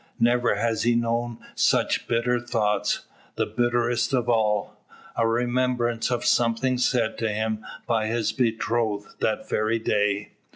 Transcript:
Never has he known such bitter thoughts; the bitterest of all a remembrance of something said to him by his betrothed that very day.